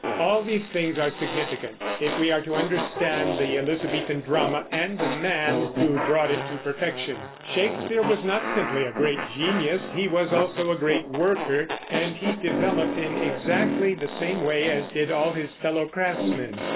All these things are significant, if we are to understand the Elizabethan drama and the man who brought it to perfection. Shakespeare was not simply a great genius; he was also a great worker, and he developed in exactly the same way as did all his fellow craftsmen.